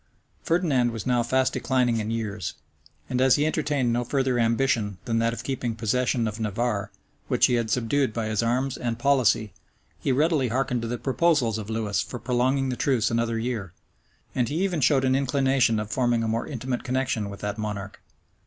Ferdinand was now fast declining in years, and as he entertained no further ambition than that of keeping possession of Navarre, which he had subdued by his arms and policy, he readily hearkened to the proposals of Lewis for prolonging the truce another year; and he even showed an inclination of forming a more intimate connection with that monarch.